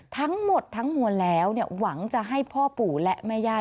ทั้งหมดทั้งมวลแล้วหวังจะให้พ่อปู่และแม่ย่า